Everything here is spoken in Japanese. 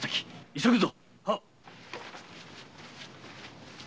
急ぐぞ。